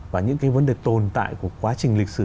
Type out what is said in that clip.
và những cái vấn đề tồn tại của quá trình lịch sử